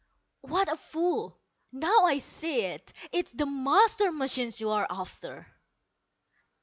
"What a fool! Now I see it. It's the master machine you're after."